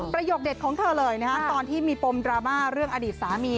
ประโยคเด็ดของเธอเลยตอนที่มีปมดราม่าเรื่องอดีตสามี